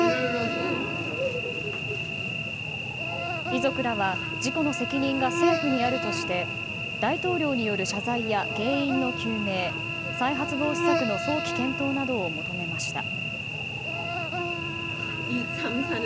遺族らは事故の責任が政府にあるとして大統領による謝罪や原因の究明再発防止策の早期検討などを求めました。